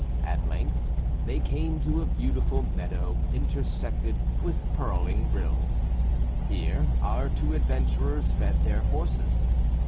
At length they came to a beautiful meadow intersected with purling rills. Here our two adventurers fed their horses.